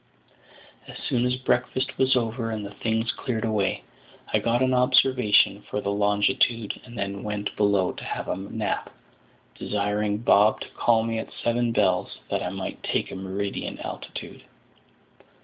As soon as breakfast was over and the things cleared away, I got an observation for the longitude, and then went below to have a nap, desiring Bob to call me at seven bells, that I might take a meridian altitude.